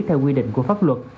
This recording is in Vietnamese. theo quy định của pháp luật